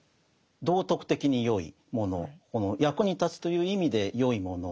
道徳的に善いもの役に立つという意味で善いもの